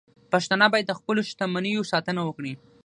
پښتانه باید د خپلو شتمنیو ساتنه وکړي.